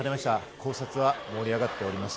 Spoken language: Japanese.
考察が盛り上がっております。